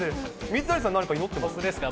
水谷さん、なんか祈ってますか？